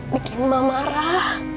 bikin emak marah